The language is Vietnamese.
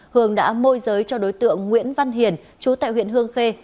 hường đã môi giới cho đối tượng nguyễn văn hiền chú tại huyện hương khê